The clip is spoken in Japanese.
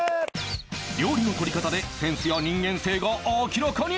料理の取り方でセンスや人間性が明らかに！